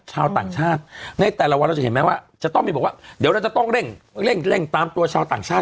ชาวต่างชาติในแต่ละวันเราจะเห็นไหมว่าจะต้องมีบอกว่าเดี๋ยวเราจะต้องเร่งเร่งตามตัวชาวต่างชาติ